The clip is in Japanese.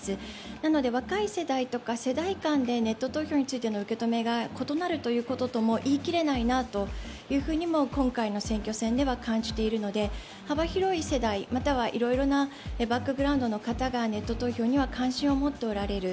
なので若い世代とか世代間でネット投票についての受け止めが異なるということとも言い切れないなとも今回の選挙戦では感じているので幅広い世代またはいろいろなバックグラウンドの方がネット投票には関心を持っておられる。